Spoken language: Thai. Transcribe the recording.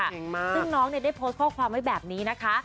เก่งมากซึ่งน้องเนี่ยได้โพสต์ข้อความไว้แบบนี้นะคะ